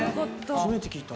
初めて聞いた。